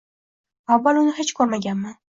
Avval uni hech ko'rmaganman.